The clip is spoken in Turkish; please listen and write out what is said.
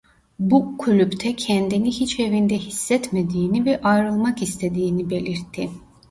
Bu kulüpte kendini hiç evinde hissetmediğini ve ayrılmak istediğini belirtti.